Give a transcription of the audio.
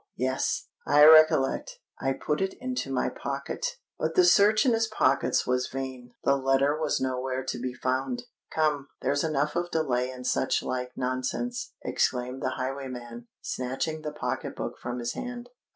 yes—I recollect—I put it into my pocket——" But the search in his pockets was vain: the letter was nowhere to be found. "Come—there's enough of delay and such like nonsense," exclaimed the highwayman, snatching the pocket book from his hand.